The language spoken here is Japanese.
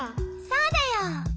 そうだよ。